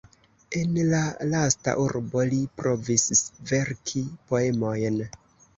En la lasta urbo li provis verki poemojn.